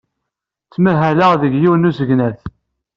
Ttmahaleɣ deg yiwen n usegnaf.